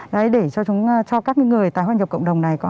để cho các người tái hoạch nhập cộng đồng này